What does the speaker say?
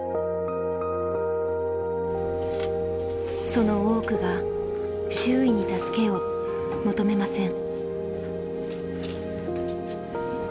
その多くが周囲に助けを求めません。